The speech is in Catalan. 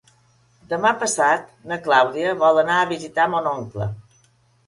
Demà passat na Clàudia vol anar a visitar mon oncle.